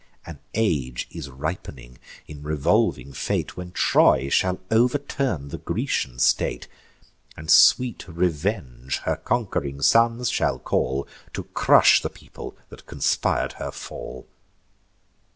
An age is ripening in revolving fate When Troy shall overturn the Grecian state, And sweet revenge her conqu'ring sons shall call, To crush the people that conspir'd her fall.